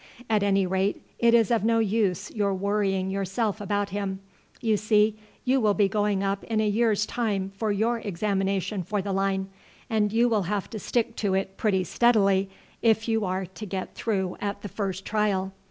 At any rate it is of no use your worrying yourself about him. You see, you will be going up in a year's time for your examination for the line, and you will have to stick to it pretty steadily if you are to get through at the first trial.